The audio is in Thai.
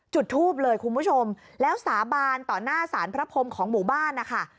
จุดทูบเลยคุณผู้ชมแล้วสาบานต่อหน้าสารพระพรมของหมู่บ้านนะคะ